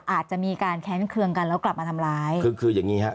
อาจจะมีการแค้นเครื่องกันแล้วกลับมาทำร้ายคือคืออย่างงี้ฮะ